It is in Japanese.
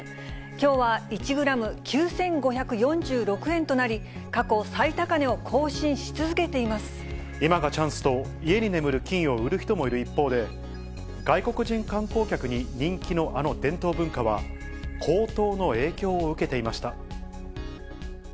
きょうは１グラム９５４６円となり、過去最高値を更新し続けてい今がチャンスと、家に眠る金を売る人もいる一方で、外国人観光客に人気のあの伝統文化は、高騰の影響を受けていました。